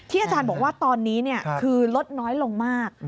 อาจารย์บอกว่าตอนนี้คือลดน้อยลงมาก